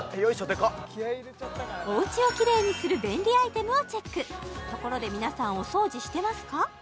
デカッおうちをキレイにする便利アイテムをチェックところで皆さんお掃除してますか？